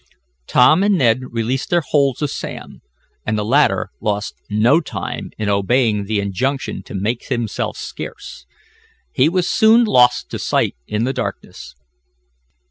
Tom and Ned released their holds of Sam, and the latter lost no time in obeying the injunction to make himself scarce. He was soon lost to sight in the darkness.